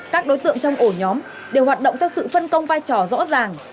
các đối tượng trong ổ nhóm đều hoạt động theo sự phân công vai trò rõ ràng